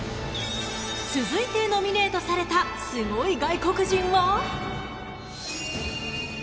［続いてノミネートされたスゴい外国人は］